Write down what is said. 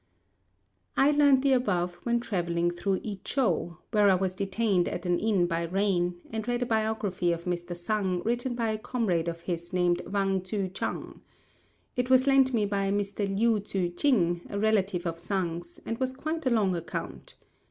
I learnt the above when travelling through I chou, where I was detained at an inn by rain, and read a biography of Mr. Sang written by a comrade of his named Wang Tzŭ chang. It was lent me by a Mr. Liu Tzŭ ching, a relative of Sang's, and was quite a long account.